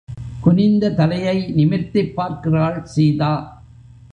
குனிந்த தலையை நிமிர்த்திப் பார்க்கிறாள் சீதா.